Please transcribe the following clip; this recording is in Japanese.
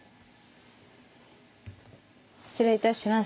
失礼いたします。